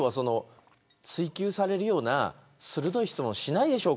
追及されるような鋭い質問をしないでしょう